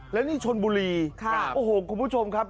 และนี่ชนบุรีโอ้โหคุณผู้ชมครับ